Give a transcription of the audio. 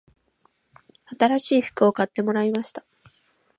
新しい服を買ってもらいました